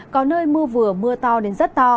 có nơi mưa vừa mưa to đến rất to